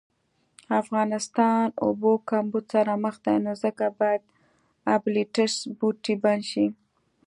افغانستان اوبو کمبود سره مخ دي نو ځکه باید ابلیټس بوټی بند شي